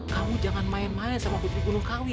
kamu jangan main main sama putri gunungkawi